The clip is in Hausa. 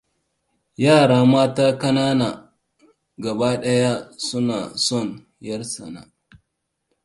Yara mata ƙanana gabaɗaya suna son ʻyar tsana.